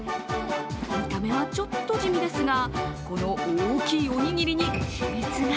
見た目はちょっと地味ですがこの大きいおにぎりに秘密が。